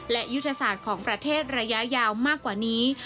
และยุทธศาสตร์ของประเทศระยะยาวมากกว่านี้